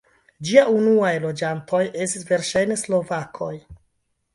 Ĝia unuaj loĝantoj estis verŝajne slovakoj.